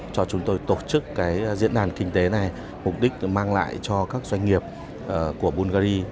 cho chúng tôi tổ chức cái diễn đàn kinh tế này mục đích mang lại cho các doanh nghiệp của bungary